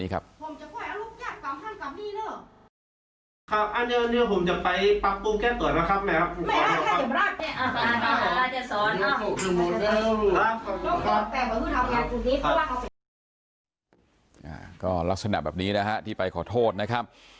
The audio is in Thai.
ก็ลักษณะแบบนี้นะฮะที่ไปขอโทษนะครับ